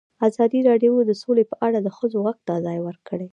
ازادي راډیو د سوله په اړه د ښځو غږ ته ځای ورکړی.